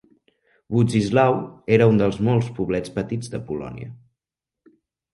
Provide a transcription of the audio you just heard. Wodzislaw era un dels molts poblets petits de Polònia.